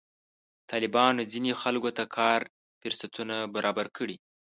طالبانو ځینې خلکو ته کار فرصتونه برابر کړي.